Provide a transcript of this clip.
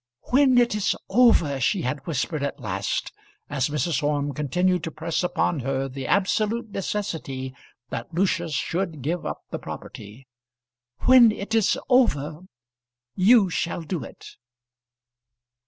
"When it is over," she had whispered at last, as Mrs. Orme continued to press upon her the absolute necessity that Lucius should give up the property, "when it is over, you shall do it."